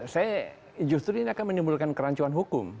saya justru ini akan menimbulkan kerancuan hukum